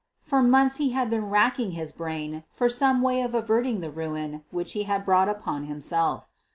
For months he had been racking his brain for some way of averting the ruin which he had brought upon himself.